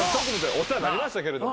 お世話になりましたけれどもね。